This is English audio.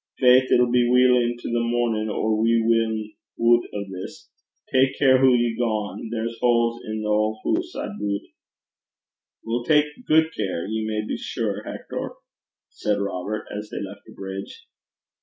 Faith, it'll be weel into the mornin' or we win oot o' this. Tak care hoo ye gang. There's holes i' the auld hoose, I doobt.' 'We'll tak gude care, ye may be sure, Hector,' said Robert, as they left the bridge.